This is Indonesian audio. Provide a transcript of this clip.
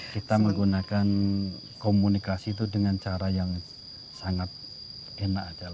kita menggunakan komunikasi itu dengan cara yang sangat enak